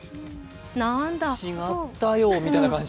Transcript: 違ったよ、みたいな感じ。